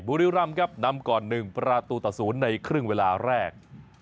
บริรัมย์นำก่อน๑ประตูตะสูญในครึ่งเวลาแรก